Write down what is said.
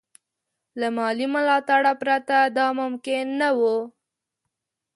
له مالي ملاتړه پرته دا ممکن نه وو.